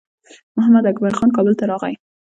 محمداکبر خان کابل ته راغی.